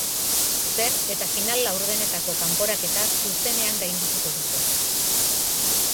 Zer eta final laurdenetako kanporaketa zuzenean gaindituko dute.